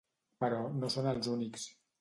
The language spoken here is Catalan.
Però no són els únics.